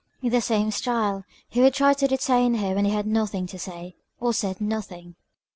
In the same style, he would try to detain her when he had nothing to say or said nothing.